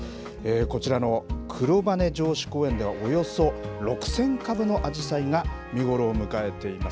こちらの黒羽城址公園では、およそ６０００株のアジサイが見頃を迎えています。